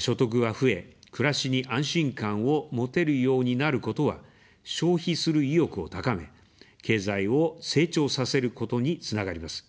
所得が増え、暮らしに安心感を持てるようになることは、消費する意欲を高め、経済を成長させることにつながります。